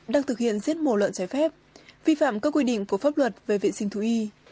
đang thực hiện giết mổ lợn trái phép vi phạm các quy định của pháp luật về vệ sinh thú y